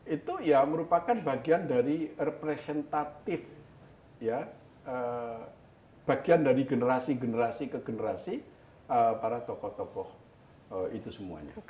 itu ya merupakan bagian dari representatif bagian dari generasi generasi ke generasi para tokoh tokoh itu semuanya